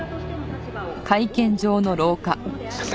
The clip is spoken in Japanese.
先生